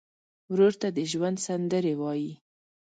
ورور ته د ژوند سندرې وایې.